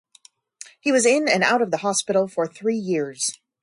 He was in and out of the hospital for three years.